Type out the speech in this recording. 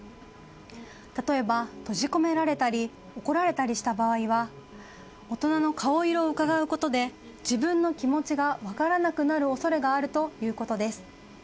例えば、閉じ込められたり怒られたりした場合は大人の顔色をうかがうことで自分の気持ちが分からなくなる恐れがあるということです。